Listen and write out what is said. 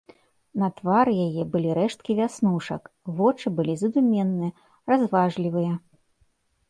На твары яе былі рэшткі вяснушак, вочы былі задуменныя, разважлівыя.